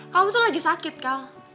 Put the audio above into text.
kamu tuh lagi sakit kang